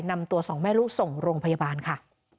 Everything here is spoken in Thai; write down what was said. นำตัวสองแม่ลูกส่งโรงพยาบาลค่ะ